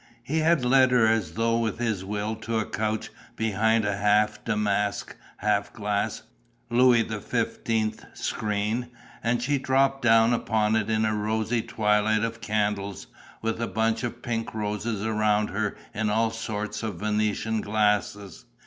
He had led her as though with his will to a couch behind a half damask, half glass, Louis XV. screen; and she dropped down upon it in a rosy twilight of candles, with bunches of pink roses around her in all sorts of Venetian glasses.